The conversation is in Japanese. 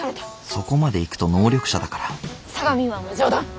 そこまでいくと能力者だから相模湾は冗談。